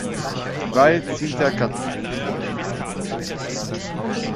Die Waldzither kann sitzend oder stehend gespielt werden.